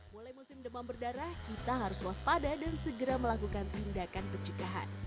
mulai musim demam berdarah kita harus waspada dan segera melakukan tindakan pencegahan